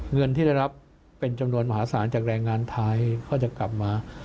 เงินที่ได้รับเป็นจำนวนมหาศาลจากแรงงานไทยก็จะกลับมา